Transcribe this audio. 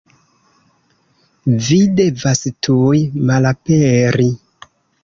Vi devas tuj malaperi.